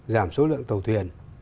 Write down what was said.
giảm số lượng tàu thuyền